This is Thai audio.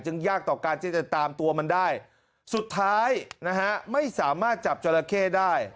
ยากต่อการที่จะตามตัวมันได้สุดท้ายนะฮะไม่สามารถจับจราเข้ได้